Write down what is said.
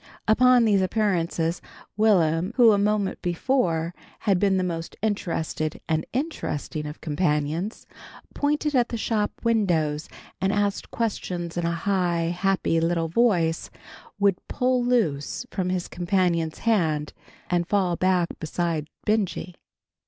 Upon these appearances, Will'm, who a moment before had been the most interested and interesting of companions, pointing at the shop windows and asking questions in a high, happy little voice, would pull loose from his companion's hand and fall back beside Benjy.